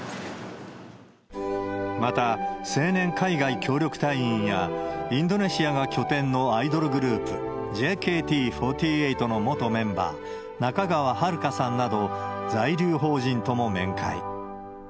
また、青年海外協力隊員や、インドネシアが拠点のアイドルグループ、ＪＫＴ４８の元メンバー、仲川遥香さんなど、在留邦人とも面会。